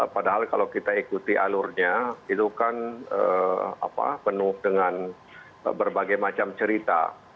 padahal kalau kita ikuti alurnya itu kan penuh dengan berbagai macam cerita